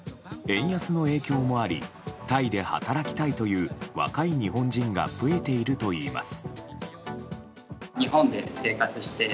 円安の影響もありタイで働きたいという若い日本人が増えているといいます。